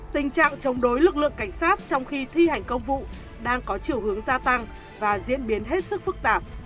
tình trạng chống đối lực lượng cảnh sát trong khi thi hành công vụ đang có chiều hướng gia tăng và diễn biến hết sức phức tạp